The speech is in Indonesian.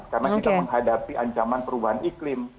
karena kita menghadapi ancaman perubahan iklim